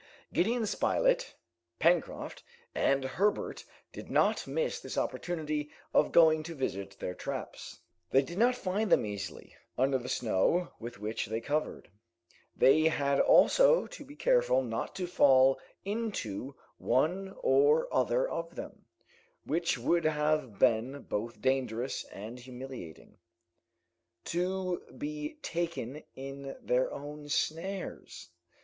Gideon Spilett, Pencroft, and Herbert did not miss this opportunity of going to visit their traps. They did not find them easily, under the snow with which they were covered. They had also to be careful not to fall into one or other of them, which would have been both dangerous and humiliating; to be taken in their own snares!